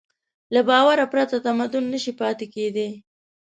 له باور پرته تمدن نهشي پاتې کېدی.